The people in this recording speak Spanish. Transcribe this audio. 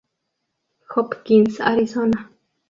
Hopkins, Arizona.